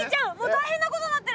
大変なことになってる！